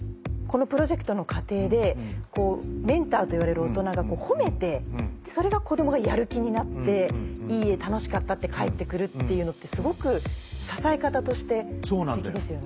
このプロジェクトの過程でメンターといわれる大人が褒めてそれが子どもがやる気になって「楽しかった」ってかえって来るっていうのってすごく支え方としてステキですよね。